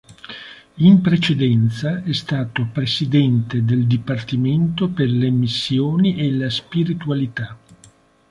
In precedenza è stato presidente del Dipartimento per le missioni e la spiritualità.